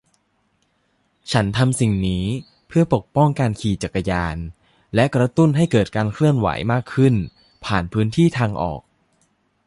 ฉันทำสิ่งนี้เพื่อป้องกันการขี่จักรยานและกระตุ้นให้เกิดการเคลื่อนไหวมากขึ้นผ่านพื้นที่ทางออก